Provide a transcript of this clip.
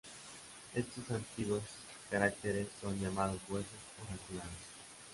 Estos antiguos caracteres son llamados huesos oraculares.